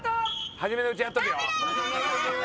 初めのうちやっとけよ！